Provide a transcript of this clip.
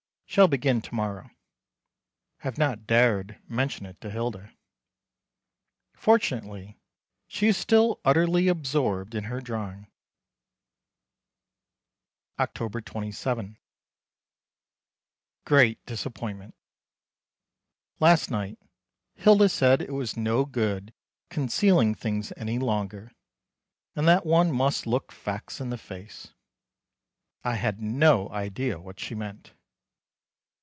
Shall begin to morrow. Have not dared mention it to Hilda. Fortunately she is still utterly absorbed in her drawing. October 27. Great disappointment. Last night Hilda said it was no good concealing things any longer, and that one must look facts in the face. I had no idea what she meant.